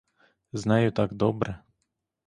З нею так добре.